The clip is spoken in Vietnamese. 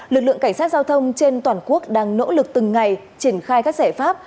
lực lượng cảnh sát giao thông trên toàn quốc đang nỗ lực từng ngày triển khai các giải pháp